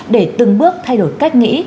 để từng bước thay đổi cách nghĩ